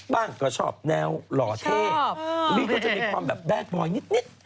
บ้างก็ชอบแนวหล่อเท่หรือต้องจะมีความแบบแบ๊กบอยนิด